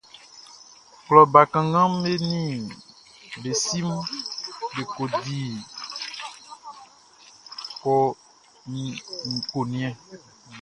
Klɔ bakannganʼm be nin be siʼm be kɔ di ko njɛn.